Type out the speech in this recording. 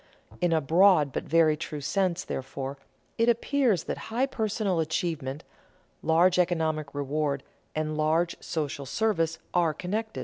In a broad but very true sense, therefore, it appears that high personal achievement, large economic reward, and large social service are connected.